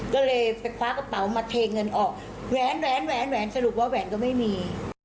ก็เลยไปคว้ากระเป๋ามาเทเงินออกแหวนแหวนสรุปว่าแหวนก็ไม่มี